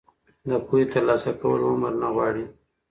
د پوهې ترلاسه کول عمر نه غواړي.